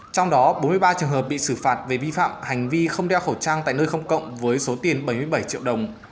trong đó bốn mươi ba trường hợp bị xử phạt về vi phạm hành vi không đeo khẩu trang tại nơi công cộng với số tiền bảy mươi bảy triệu đồng